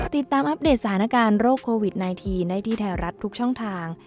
อัปเดตสถานการณ์โรคโควิด๑๙ได้ที่ไทยรัฐทุกช่องทาง